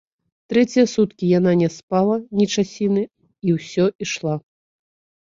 Трэція суткі яна не спала ні часіны і ўсё ішла.